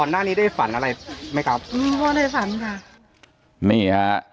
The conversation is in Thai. เนี่ย